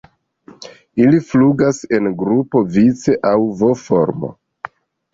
Ili flugas en grupo vice aŭ V-formo.